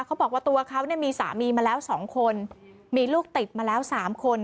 เขาบอกว่าตัวเขาเนี่ยมีสามีมาแล้ว๒คนมีลูกติดมาแล้ว๓คน